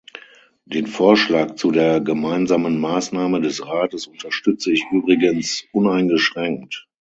Den Vorschlag zu der Gemeinsamen Maßnahme des Rates unterstütze ich übrigens uneingeschränkt.